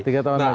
tiga tahun lagi